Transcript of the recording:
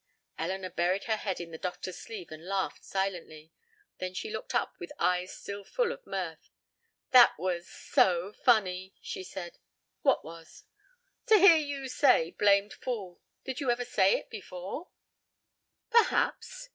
Elinor buried her head in the doctor's sleeve and laughed silently. Then she looked up with eyes still full of mirth. "That was so funny," she said. "What was?" "To hear you say blamed fool. Did you ever say it before?" "Perhaps."